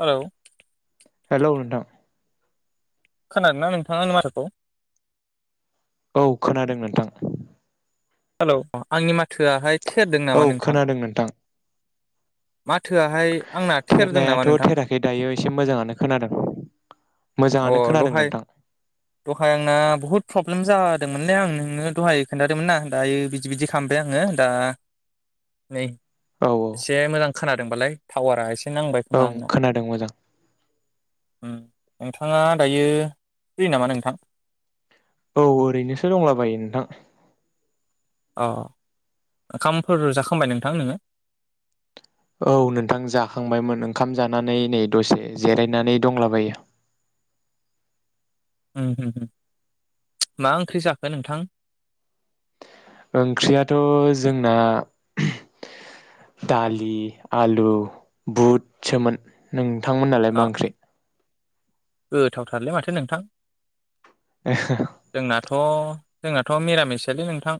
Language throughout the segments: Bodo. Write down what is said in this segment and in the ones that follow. हेलौ। हेल' नोंथां। खोनादोंना नोंथाङा आंनि माथोखौ? औ खोनादों नोंथां। हेलौ आंनि माथोआहाय थेरदों औ नामा नोंथां खोनादों माथोआहाय आंना थेरदों नामा थेरनायाथ' नोंथां? थेराखै दायो एसे मोजाङानो खोनादों अ मोजाङानो खोनादों दहाय नोंथां दहाय आंना बुहुद प्रब्लेम जा दोंमोनलै आं नोंनो दहाय खोनथादोंमोनना दायो बिदि बिदि खालामबाय आङो दा नै औ औ एसे मोजां खोनादोंबालाय टावारा एसे नांबाय खोमा ओं आंना खोनादों मोजां। उम नोंथाङा दायो फ्रि नामा नोंथां? औ ओरैनोसो दंलाबायो नोंथां। अ ओंखामफोर जाखांबाय नोंथां नोङो? औ नोंथां जाखांबायमोन ओंखाम जानानै नै दसे जिरायनानै दंलाबायो। उम उम उम मा ओंख्रि जाखो नोंथां? ओंख्रियाथ' जोंना दालि आलु बहुदसोमोन नों थांमोन नालाय अ मा ओंख्रि? गोथावथारलै माथो नोंथां। [unintelligible] थ' जोंनाथ' मिरामिसोलै नोंथां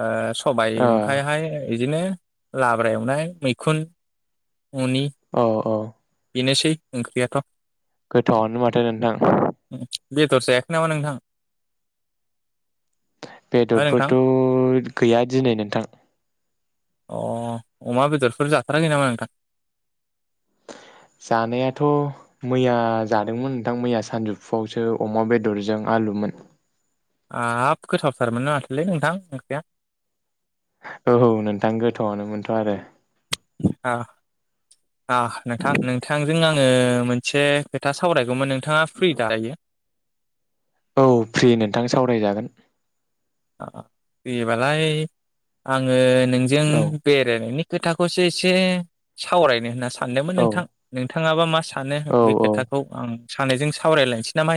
ओ सबायाइ ओ ओमफ्रायहाय बिदिनो लाब्रा एवनाय मैखुन अनि औ औ बेनोसै। ओंख्रियाथ' गोथावनो माथो नोंथां। बेदर जायाखै नामा नोंथां? हो नोंथां बेदरफोरथ' गैया दिनै नोंथां। अ अमा बेदरफोर जाथाराखै नामा नोंथां? जानायाथ' मैया जादोंमोन नोंथां मैया सानजौफुआवसो अमा बेदरजों आलुमोन। आब गोथावथारमोन माथोलै नोंथां ओंख्रिया। औ नोंथां गोथौआवनो मोनथ' आरो। आ आ नोंथां-नोंथांजों आङो मोनसे खोथा सावरायगौमोन नोंथाङा फ्रि दा दायो? औ फ्रि नोंथां सावरायजागोन। आं देबालाय आङो नोंजों औ बेरायनायनि खोथाखौसो एसे सावरायनो होनना सा सानदोंमोन औ नोंथां नोंथाङाबा मा सानो औ बे औ खोथाखौ आं सानैजों सावरायलायनोसै नामा?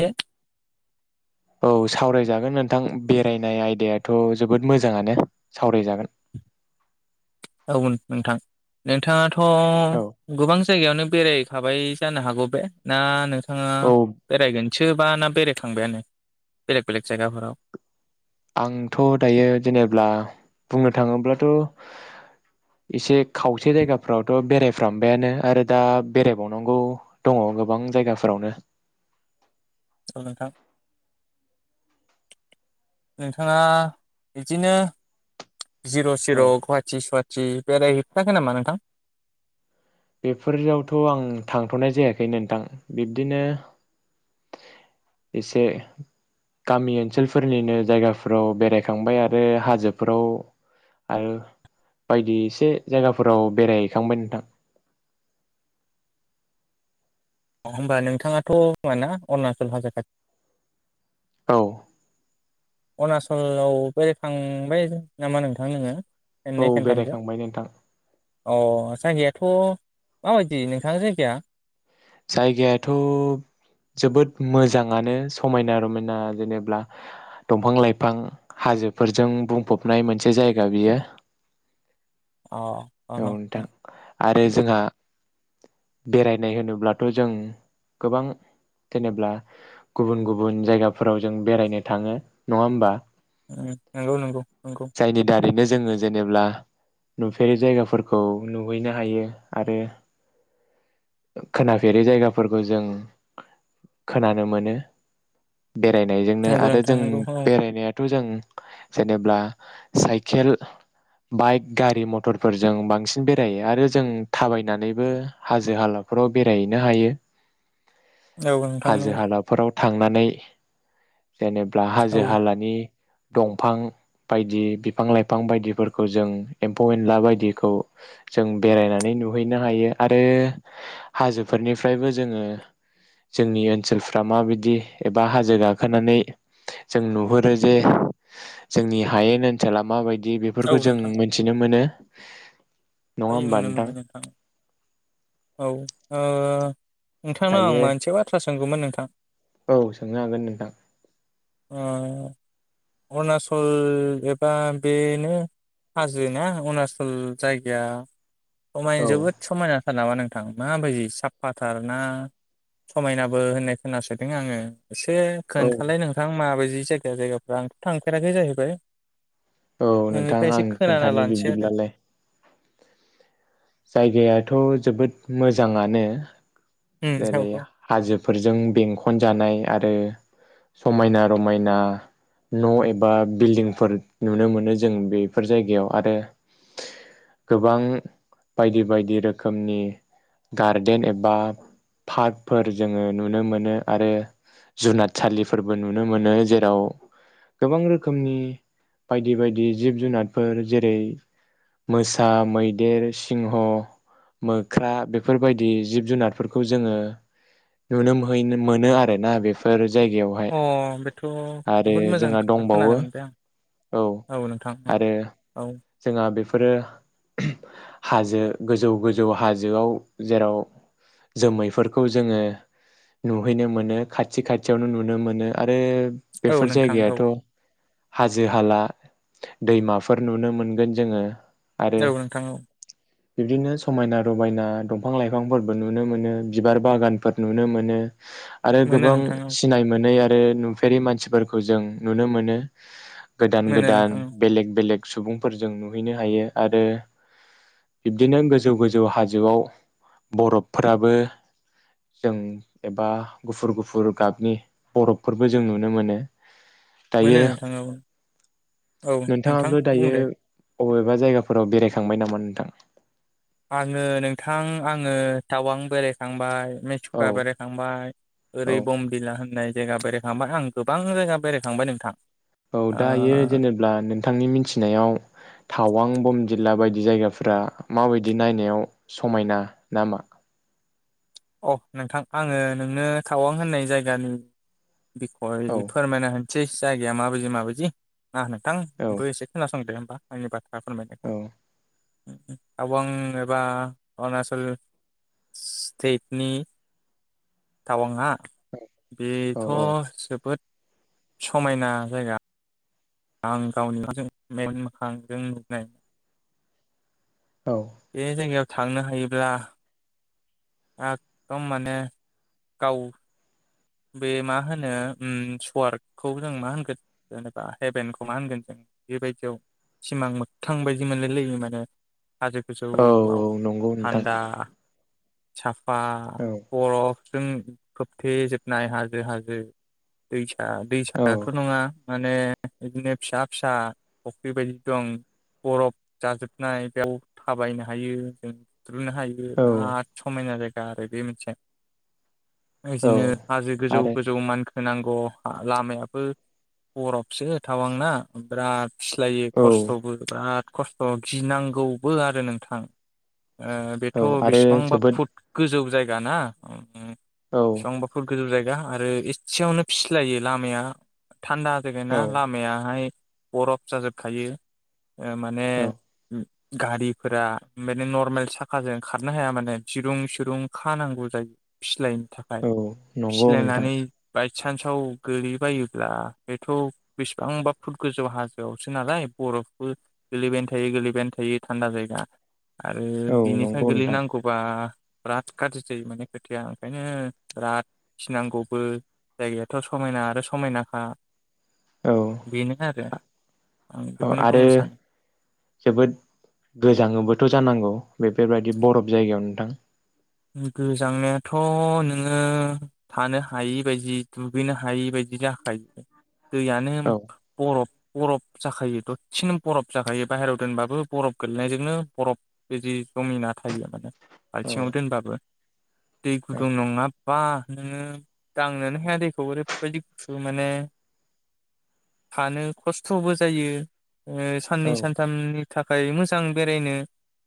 औ सावरायजागोन नोंथां बेरायनाय आयदायाथ' जोबोद मोजाङानो सावरायजागोन। औ नोंथां नोंथाङा औ अ गोबां जायगायावनो बेरायहैखाबाय जानो हागौ बे ना नो नोंथाङा औ बेरायगोन। सोबा ना बेराय खांबायानो बेलेग बेलेग जायगाफोराव। आंथ' दायो जेनेब्ला बुंनो थाङोब्लाथ' एसे खावसे जायगाफोरावथ' बेरायफ्रामबायानो आरो दा बेरायबावनांगौ दङ गोबां जायगाफोरावनो। औ नोंथां। नोंथाङा बिदिनो जिर' सिर' औ गुवाहाटि सुवाथि जि बेरायहैथ्राखै नामा नोंथां। बेफोरावथ' आं थांथ'नाय जायाखै नोंथां बिब्दिनो एसे गामि ओनसोलफोरनिनो जायगाफोराव बेरायखांबाय आरो हाजोफोराव आरो बायदि एसे जायगाफोराव बेरायहैखांबाय नोंथां। अ होमबा नोंथाङाथ' अरुणचल हाजो खाथि। औ अरुणाचलाव बेरायखांबाय नामा नोंथां नोङो? खेनै औ खेनथामसो बेरायखांबाय नोंथां अह जायो। थ' माबायदि नोंथां जायगाया। जायगायाथ' जोबोद मोजाङानो समायना रमायना जेने दंफां लाइफां हाजोफोरजों बुंफबनाय मोनसे जायगा बियो। अह औ अह नोंथां अ आरो जोंहा बेरायनाय होनोब्लाथ' जों गोबां जेनेबा गुबुन गुबुन जायगाफोराव जों बेरायनो थाङो नङा होमबा। नंगौ नंगौ नंगौ जायनि दारैनो जोङो जेनेब्ला नुफेरै जायगा फोरखौ नुहैनो हायो आरो खोनाफेरै जायगाफोरखौ जों खोनानो मोनो। बेरायनायजोंनो नंगौ आरो नोंथां जों नंगौ औ बेरायनाया जों जेनेब्ला साइकेल बाइक गारि मथरफोरजों। बांसिन बेरायो आरो जों थाबायनानैबो हाजो हाला फोराव बेरायहैनो हायो। औ नोंथां हाजो नोंखौ। हालाफोराव थांनानै जेनेबा औ हाजो हालानि दंफां बायदि बिफां लाइफां बायदिफोरखौ जों एम्फौ एनला बायदिखौ जों बेरायनानै नुहैनो हायो आरो हाजोफोरनिफ्रायबो जोङो जोंनि ओनसोलफ्रा माबायदि एबा हाजो गाखोनानै जों नुहुरो जे जोंनि हायेन ओनसोला माबायदि। दि औ बेफोरखौ जों मोनथिनो मोनो। [unintelligible] नुनो मोनो नोंथां। औ ओह नोंथांनाव आं दायो मोनसे बाथ्रा सों नोंगौमोन नोंथां। औ सोंनो हागोन नोंथां। ओ अरुणाचल एबा बेनो हाजोना अरुणचल जायगा गाया सममायना औ जोबोद समायनाथार नामा नों थां माबायदि साफाथार ना समायनाबो होननाय खोनासोदों आङो। एसे औ खोन्थालाय नोंथां मादि। जि जायगा जायगाफोरा्आंथ' थांफेराखै जाहैबाय औ नोंथां नोंनिफ्राय एसे आं खोनाना खोन्थानाय लानोसै आरो बिब्दिब्लालाय। जायगायाथ' जोबोद मोजाङानो। जेरै औ हाजोफोरजों बेंखन जानाय। आरो समायना रमायना न' एबा बिल्डिंफोर नुनो मोनो जों बेफोर जायगायाव आरो गोबां बायदि बायदि रोखोमनि गार्देन एबा पार्कफोर जोङो नुनो मोनो आरो जुनारसालिफोरबो नुनो मोनो जेराव गोबां रोखोमनि बायदि बायदि जिब जुनारफोर जेरै मोसा मैदेर सिंह मोख्रा बेफोरबायदि जिब जुनारफोरखौ खौ जोङो नुनो मोय मोनो आरोना बेफोर जायगायावहाय अ बेथ' आरो बुहुद मोजां जोंहा खोथा दंबावो खोनानो मोनबाय आं औ नोंथां ओं औ आ‌रो हाजो गोजौ गोजौ हाजोआव जेराव जोमैफोरखौ जोङो नुहैनो मोनो खाथि खाथियावनो नुनो मोनो आरो औ बेफोर नोंथां औ जायगायाथ' हाजो हाला दैमाफोर नुनो मोनगोन जोङो। आरो औ नोंथां औ। बिब्दिनो समायना रमायना दंफां लाइफांफोरबो नु नुनो मोनो बिबार बागानफोर नुनो मोनो। आरो मोनो गोबां नोंथां औ सिनाय मोनै आरो आरो नुफेरि मानसिफोरखौ जों नुनो मोनो। गोदान मोनो गोदान नोंथां औ बेलेग बेलेग सुबुंफोर जों नुहैनो हायो आरो बिब्दिनो गोजौ गोजौ हाजोआव बरफ फोराबो जों एबा गुफुर गुफुर गाबनि बरफफोरबो जों नुनो मोनो। मोनो दायो नोंथां औ औ नोंथां नोंथाङाबो बुं दायो दे बबेबा जायगाफोराव बेरायखांबाय नामा नोंथां? आङो नोंथां आङो टावां बेरायखांबाय औ मेसुक्रा बेरायखांबाय ओरै औ बमबिला होननाय जायगा बेरायखांबाय आं गोबां जायगा बेरायखांबाय नोंथां। औ दायो ओ जेनेब्ला नोंथांनि मिथिनायाव टावां बम बिल्ला बायदि बिदि जायगाफोरा माबायदि नायनायाव समायना नामा? अ नोंथां आङो नोंनो टावां होननाय जायगानि औ बिखय फोरमायना होनि सिज जायगाया माबायदि माबायदि ना नोंथांबो एसे खोनासंदो आंनि बाथ दा फोरमायनायखौ औ टावां एबा अरुणाचल तेटनि टावांआ बेथ' औ जोबोद समायना जायगा आं गावनि [unintelligible] जों मेगन मोखांजों नुबोनाय। औ ए जायगायाव थांनो हायोब्ला एकदम माने गाव बे मा होनो ओ‌म सवार्कखौ जों मा होनगोन जेनेबा हेभेनखौ मा होनगोन जों बेबायदियाव सिमां मोगथां बायदि मोनलायलायो माने। हाजो गोजौआव औ नंगौ नोंथां थान्दा सा पा औ बर'ब जों खोबथे जोब नाय हाजो हाजो दै दा औ दैसायाथ' नङा माने बिदिनो फिसा फिसा फुख्रि बायदि दं बर'फ जाजोबनाय बेयाव थाबायनो हायो जों नुनो हायो औ बिराद समायना जायो आरो बे मोनसे औ बिदिनो हाजो गोजौ आरो गोजौ मानखो होनांगौ लामायाबो बर'फसो टावांना बिराद फिस्लायो औ खस्थ'बो बिराद खस्थ' गिनांगौबो आरो नोंथां ओ औ बेथ' आरो बेसेबांबा जोबोद फुट गोजौ जायगा जायगाना औ गोजौ जायगा आरो एसेयावनो फिस्लायो लामाया थान्दा जायगाना औ लामायहाय बर'फ जाजोबखायो ओ माने औ गारिफोरा माने नरमेल साखाजों खारनो हाया माने दिरुं सिरुं खानांगौ जायो फिस्लयैनि थाखाय। औ नंगौ नोंथां। सान्साव गोग्लैबायोब्ला बेथ' बेसेबांबा फुट गोजौ हाजोआवसो नालाय बरफबो गोलैबायानो थायो गोलैबायानो थायो थान्दा जायगा। आरो औ बिनिफ्राय नंगौ नोंथां गोलैनांगौबा बिराद गाज्रि जायो माने खोथाया ओंखायनो बिराद गिनांगौबो जायगायाथ' समायना आरो समायनाखा औ बेनो आरो आं औ बेखौनो आरो बुंनो सानो जोबोद गोजाङोबोथ' जानांगौ? बेफोरबायदि बरफ जायगायाव नोंथां। गोजांनायाथ' नोङो थानो हायि बायदि दुगैनो हायि बायदि जाखायो। दैयानो औ बरफ बरफ जाखायो दसेनो बरफ जाखायो बाहेरायाव दोनबाबो बरफ गोलैनायजोंनो बरफ बिदि जमिना थायो माने औ बालथिङाव दोनबाबो बो दै गुदुं नङा बा नोङो दांनोनो हाया दैखौ ओरैबायदि गुसु मानो थानो खस्थ'बो जायो। ओ औ साननै सानथामनि थाखाय मोजां बेरायनो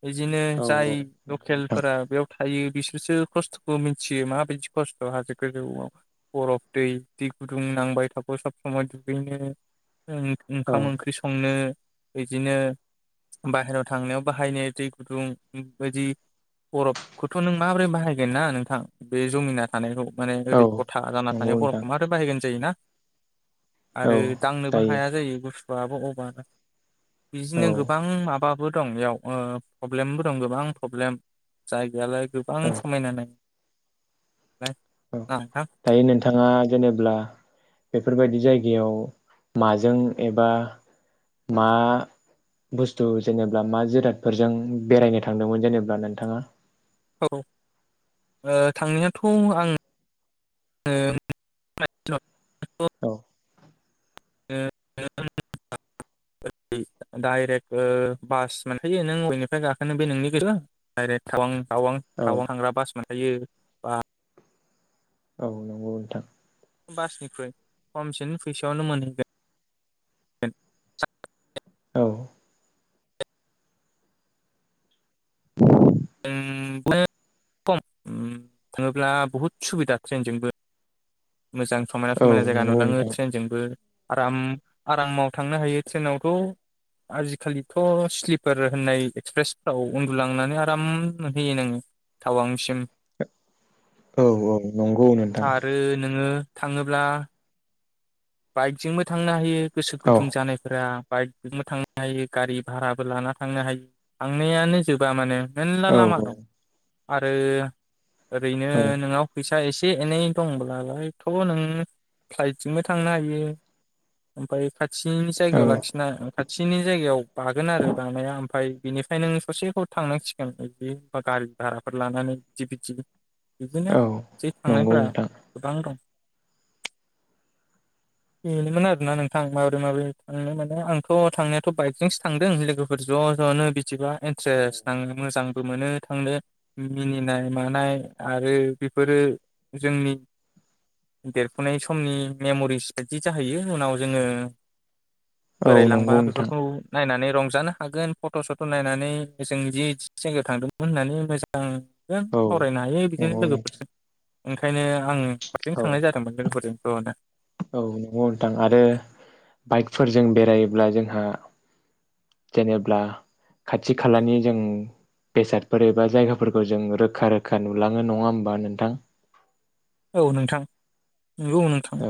बिदिनो औ जाय नोंथां लकेलफोरा बेयाव बे बिसोरसो खस्थ'खौ मिथियो माबायदि खस्थ' हाजो गोजौआव बरफ दै दै गुदुं नांबाय थागौ सब समाव दुगैनो। ओं औ ओंखाम ओंख्रि संनो बिदिनो बाहेराव थांनायाव बाहायनो दै गुदुंबायदि बरफ खौथ' नों माबोरै बाहायगोन ना नोंथां बे जमिना थानायखौ। माने औ ओरै गथा जाना नंगौ थानाय नोंथां बरफखौ मारै बाहायगोन जायो ना? औ आरो दांनोबो हाया जायो गुसु आबो अभार। औ बिदिनो गोबां माबा बो दं इयाव ओ प्रब्लेमबो दं गोबां प्रब्लेम जाय बेयालाय गोबां औ समायना नाय [unintelligible] दायो नोंथाङा जेनेब्ला बेफोरबायदि जायगायाव माजों एबा मा बुस्थु जेनेबा मा जिरादफोरजों बेरायनो थांदोंमोन जेनेबा नोंथाङा? औ ओ थांनायाथ' आं ओ [unintelligible] औ। ओ [unintelligible] डाइरेक्ट ओ‌ बास‌ मोनखायो नों बयनिफ्राय गाखोनो बे नोंनि गोसो डाइरेक्ट टावां टावां औ टावआव थांग्रा बास मोन थायो बा औ नंगौ नोंथां। बासनिख्रुइ खमसिन फैसायावनो मोनहैगोन औ जों खम थाङोब्ला बहुद सुबिदा ट्रेनजोंबो। मोजां समायना औ समायना जायगा नंगौ नुलाङो नोंथां ट्रेनजोंबो। आराम आरामाव थांनो हायो ट्रेनावथ' आजिखालिथ' स्लिपार होननाय एक्सप्रेसफ्राव उन्दुलांनानै आराम नुहयो नोङो टावांसिम। औ औ नंगौ नोंथां। नों थाङोब्ला बाइकजोंबो थांनो हायो। गोसो औ गुदुं जानायफोरा बाइकजोंबो थांनो हायो गारि भाराबो लाना थांनो हायो थांनायानो जोबा मानोे मेलला औ लामा दं। आरो ओरैनो औ नोंनाव फैसा एसे एनै दंब्लालायथ' नों फ्लाइटजोंबो थांनो हायो ओमफ्राय खाथिनि जायगायाव औ लाखिनाय खा सिनि जायगायाव बागोन आरो बानाया ओमफफ्राय बिनिफ्राय नों ससेखौ थांनांसिगोन बिदि गारि भाराफोर लानानै बिदि-बिदि। बिदिनो औ जे नंगौ थांनायफोरा नोंथां गोबां दं। बेनोमोन आरोना नोंथां माबोरै माबोरै थांनो माने आंथ' थांनायाथ' बाइकजोंसो थांदों लोगोफोर ज' ज'नो बिदिबा। इन्ट्रेस नांङो मोजां। मोनो थांनो मिनिनाय मानाय आरो बेफोरो जोंनि देरफुनाय समनि। मेम'रिस बायदि जाहैयो उनाव जोङो औ बोरायलांबा नंगौ नोंथां बेफोरखौ नायनानै रंजानो हागोन फट' सथ' नायनानै जों जि जि जायगायाव थांदोंमोन होननानै मोजां जों औ सावरायनो हायो बिदिनो नंगौ नोंथां लोगोफोरजों। ओंखायनो आं हजों औ थांनाय जादोंमोन लोगो फोरजों औ दे। औ नंगौ नोंथां आरो बाइकफोरजों बेरायोब्ला जोंहा जेनेब्ला खाथि खालानि जों बेसादफोर एबा जायगाफोरखौ जों रोखा-रोखा नुलाङो नङा होमबा नोंथां? औ नोंथां नंगौ नोंथां। औ